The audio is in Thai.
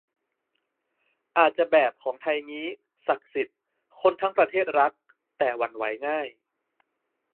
อาจจะแบบของไทยงี้ ศักดิ์สิทธิ์ คนทั้งประเทศรัก แต่หวั่นไหวง่าย